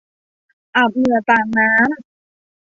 อาบเหงื่อต่างน้ำ